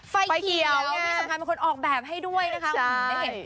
ไฟเกียวนี่สำคัญเป็นคนออกแบบให้ด้วยนะครับ